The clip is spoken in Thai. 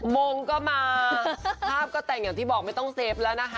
มงก็มาภาพก็แต่งอย่างที่บอกไม่ต้องเซฟแล้วนะคะ